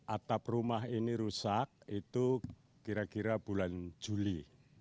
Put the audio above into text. atap rumah ini rusak itu kira kira bulan juli